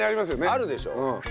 あるでしょ？